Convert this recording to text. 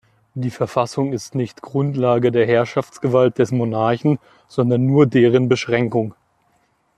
Die Verfassung ist nicht Grundlage der Herrschaftsgewalt des Monarchen, sondern nur deren Beschränkung.